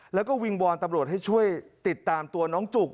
แล้วก็วิงวอนตำรวจให้ช่วยติดตามตัวน้องจุก